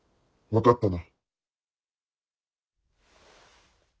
分かったな。